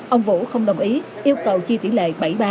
ông vũ không đồng ý yêu cầu chi tỷ lệ bảy ba